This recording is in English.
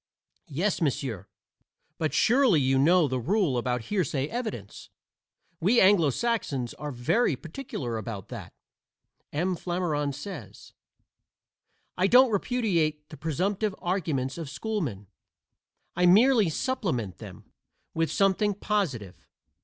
Yes, monsieur, but surely you know the rule about hearsay evidence. We Anglo Saxons are very particular about that. M. Flammarion says: "I don't repudiate the presumptive arguments of schoolmen. I merely supplement them with something positive.